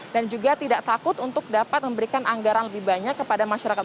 dan juga tidak takut untuk dapat memberikan anggaran lebih banyak kepada masyarakat